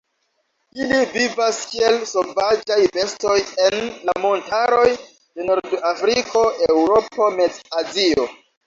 Ili vivas kiel sovaĝaj bestoj en la montaroj de Nord-Afriko, Eŭropo, Mez-Azio.